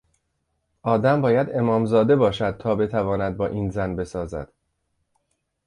آدم باید امامزاده باشد تا بتواند با این زن بسازد!